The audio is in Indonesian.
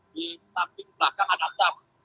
di samping belakang ada sam